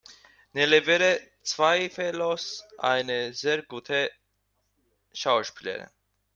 Nele wäre zweifellos eine sehr gute Schauspielerin.